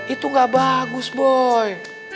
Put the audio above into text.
itu gak bagus boy